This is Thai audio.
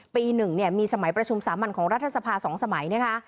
ปีหนึ่งเนี่ยมีสมัยประชุมสามัญของรัฐธสภาสองสมัยเนี่ยค่ะ